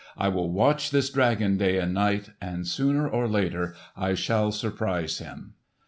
I will watch this dragon day and night, and sooner or later I shall surprise him."